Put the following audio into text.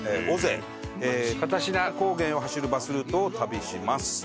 かたしな高原を走るバスルートを旅します。